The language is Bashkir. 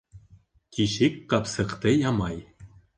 Тишек ҡапсыҡты ямай.